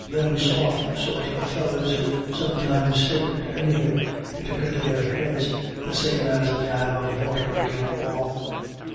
" Them soft sort of fellers 'ud sometimes stick to any thin* they took into their heads, the same as a dab of morthar agin a wall."